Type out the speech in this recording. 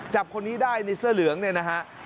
จับคนนี้ได้ในเสื้อเหลืองเนี่ยนะฮะ